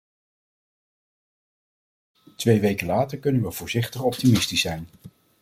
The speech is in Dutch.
Twee weken later kunnen we voorzichtig optimistisch zijn.